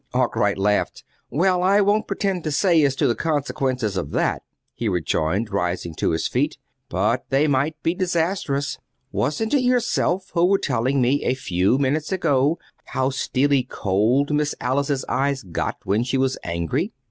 Arkwright laughed. "Well, I won't pretend to say as to the consequences of that," he rejoined, rising to his feet; "but they might be disastrous. Wasn't it you yourself who were telling me a few minutes ago how steely cold Miss Alice's eyes got when she was angry?"